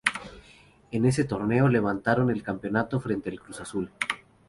En ese torneo levantaron el campeonato frente al Cruz Azul.